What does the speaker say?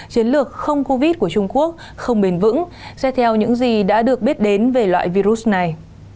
chiến lược không covid của trung quốc không bền vững xét theo những gì đã được biết đến về loại virus này